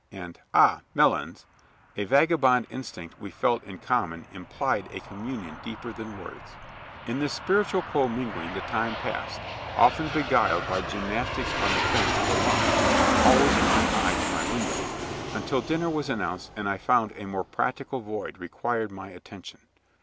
and "Ah, Melons!" a vagabond instinct we felt in common implied a communion deeper than words. In this spiritual commingling the time passed, often beguiled by gymnastics on the fence or line (always with an eye to my window) until dinner was announced and I found a more practical void required my attention.